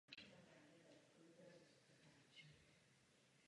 Jinými slovy, nechceme stanovovat, jaká by měla být míra přistěhovalectví.